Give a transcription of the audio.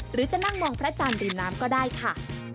หรือจะนั่งมองพระราชาติดินน้ำก็ได้ค่ะ